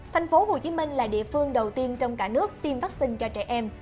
thành phố hồ chí minh là địa phương đầu tiên trong cả nước tiêm vaccine cho trẻ em